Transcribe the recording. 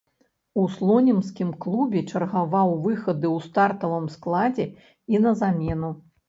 У слонімскім клубе чаргаваў выхады ў стартавым складзе і на замену.